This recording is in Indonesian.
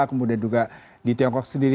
kemudian juga di tiongkok sendiri